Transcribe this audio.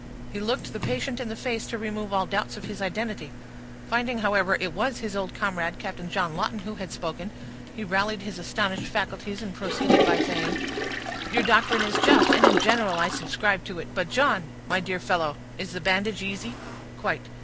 He looked the patient in the face to remove all doubts of his identity; finding, however, it was his old comrade, Captain John Lawton, who had spoken, he rallied his astonished faculties, and proceeded by saying,— "Your doctrine is just, and in general I subscribe to it. But, John, my dear fellow, is the bandage easy?" "Quite."